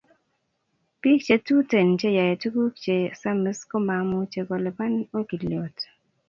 pik che Tuten che yai tukuk che samis ko mamuche ko lipan okilyot